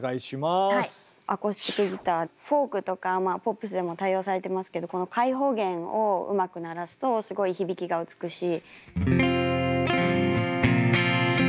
フォークとかポップスでも多用されてますけどこの開放弦をうまく鳴らすとすごい響きが美しい。